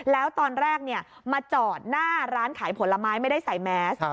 แล้วตอนแรกมาจอดหน้าร้านขายผลไม้ไม่ได้ใส่แมส